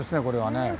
これはね。